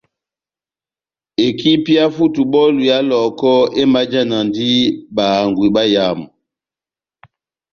Ekipi yá futubɔlu ya Lɔhɔkɔ emajanadi bahangwi bayamu.